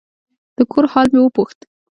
د کور حال مې وپوښت.